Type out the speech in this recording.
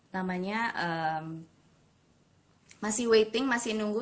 namanya masih waiting masih nunggu